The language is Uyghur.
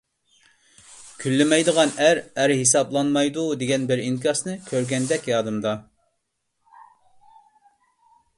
«كۈنلىمەيدىغان ئەر، ئەر ھېسابلانمايدۇ» دېگەن بىر ئىنكاسنى كۆرگەندەك يادىمدا.